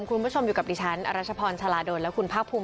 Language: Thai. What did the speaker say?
คุณผู้ชมอยู่กับดิฉันอรัชพรชาลาดลและคุณภาคภูมิ